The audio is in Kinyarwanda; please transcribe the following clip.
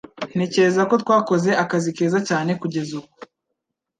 Ntekereza ko twakoze akazi keza cyane kugeza ubu.